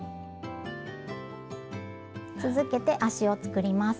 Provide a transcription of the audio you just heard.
続けて足を作ります。